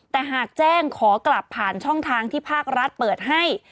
แต่หากแจ้งขอกลับผ่านช่องทางที่ภาครัฐเปิดให้